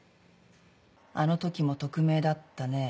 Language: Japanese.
あのときも匿名だったね。